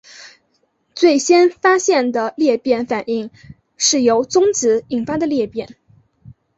最先发现的裂变反应是由中子引发的裂变。